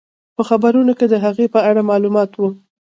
په خبرونو کې د هغې په اړه معلومات وو.